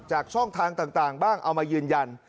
ช่องทางต่างบ้างเอามายืนยัน